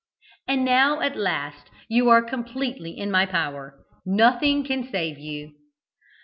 And now at last you are completely in my power. Nothing can save you."